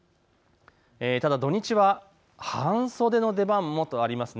ただ土日は半袖の出番もとあります。